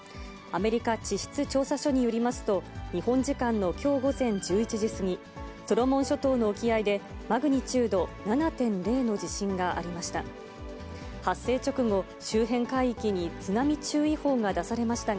アメリカ地質調査所によりますと、日本時間のきょう午前１１時過ぎ、ソロモン諸島の沖合でマグニチュード７．０の地震がありました。